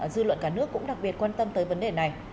dư luận cả nước cũng đặc biệt quan tâm tới vấn đề này